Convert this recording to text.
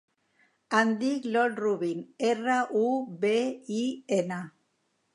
Em dic Iol Rubin: erra, u, be, i, ena.